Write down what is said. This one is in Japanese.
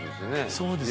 そうですね。